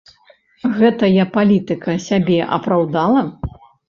Гэтая палітыка сябе апраўдала?